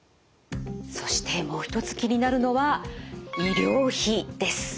そしてもう一つ気になるのは医療費です。